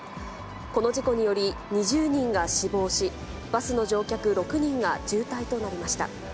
この事故により、２０人が死亡し、バスの乗客６人が重体となりました。